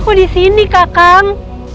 aku disini kakang